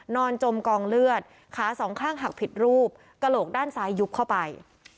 จมกองเลือดขาสองข้างหักผิดรูปกระโหลกด้านซ้ายยุบเข้าไป